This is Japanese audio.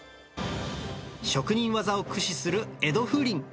職人技を駆使する江戸風鈴。